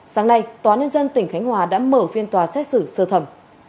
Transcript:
sáng nay tòa nhân dân tỉnh khánh hòa đã mở phiên tòa xét xử sơ thẩm